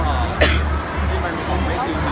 ก็จริงมันก็ไม่จริง